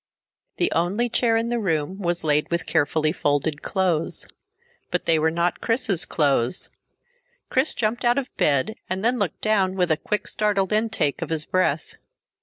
The only chair in the room was laid with carefully folded clothes. But they were not Chris's clothes. Chris jumped out of bed and then looked down with a quick startled intake of his breath.